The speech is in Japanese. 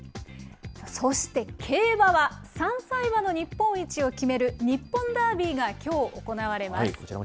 そして競馬は、３歳馬の日本一を決める日本ダービーがきょう行われます。